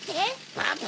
バブ！